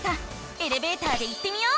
エレベーターで行ってみよう！